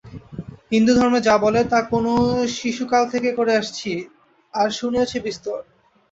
হিন্দুধর্মে যা বলে তা তো শিশুকাল থেকে করে আসছি, আর শুনেওছি বিস্তর।